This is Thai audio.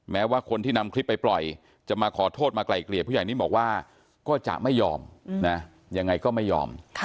แม้ว่าคนที่นำคลิปไปปล่อยจะมาขอโทษมาไกลเกลี่ยผู้ใหญ่นิ่มบอกว่าก็จะไม่ยอมนะยังไงก็ไม่ยอม